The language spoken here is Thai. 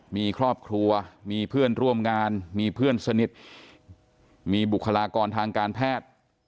มีครอบครัวมีเพื่อนร่วมงานมีเพื่อนสนิทมีบุคลากรทางการแพทย์